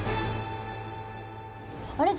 あれ？